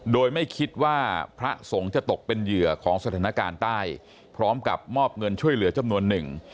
โดยไม่คิดว่าพระสงฆ์จะตกเป็นเหยื่อของสถานการณ์ใต้พร้อมกับมอบเงินช่วยเหลือจำนวนหนึ่ง